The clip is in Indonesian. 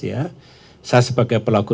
ya saya sebagai pelaku